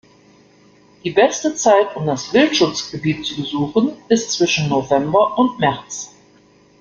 Die beste Zeit um das Wildschutzgebiet zu besuchen ist zwischen November und März.